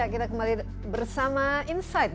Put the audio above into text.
kita kembali bersama insight